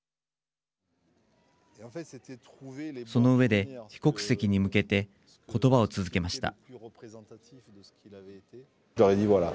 その上で被告席に向けてことばを続けました。